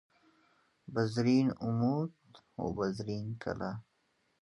بزرین عمود و بزرین کلاه